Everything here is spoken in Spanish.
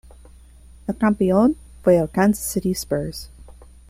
El campeón fue el Kansas City Spurs.